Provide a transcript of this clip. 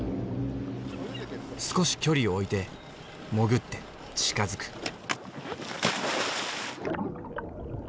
少し距離を置いて潜って近づく。